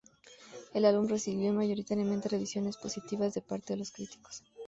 El álbum recibió mayoritariamente revisiones positivas de parte de los críticos.